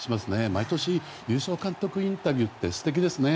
毎年、優勝監督インタビューって素敵ですね。